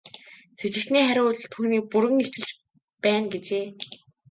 Сэжигтний хариу үйлдэл түүнийг бүрэн илчилж байна гэжээ.